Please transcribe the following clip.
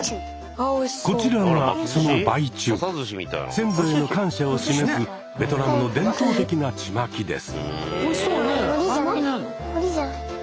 先祖への感謝を示すベトナムの伝統的な「ちまき」です。